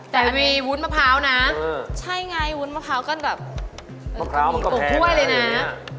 แต่มีวุ้นมะพร้าวนะใช่ไงวุ้นมะพร้าวก็แบบ๖ถ้วยเลยนะ